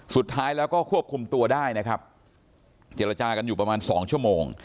สุดท้ายแล้วก็ควบคุมตัวได้นะครับเจรจากันอยู่ประมาณสองชั่วโมง